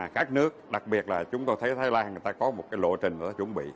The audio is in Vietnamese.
các nước đặc biệt là chúng tôi thấy thái lan có một lộ trình chuẩn bị